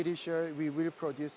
kita akan memproduksi